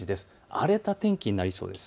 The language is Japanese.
荒れた天気になりそうです。